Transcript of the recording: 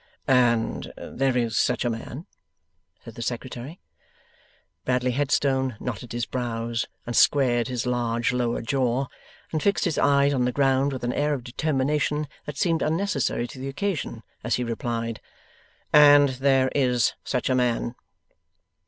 'And there is such a man?' said the Secretary. Bradley Headstone knotted his brows, and squared his large lower jaw, and fixed his eyes on the ground with an air of determination that seemed unnecessary to the occasion, as he replied: 'And there is such a man.